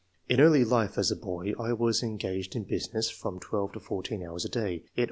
"In early life as a boy I was engaged in business from twelve to fourteen hours a day, yet II.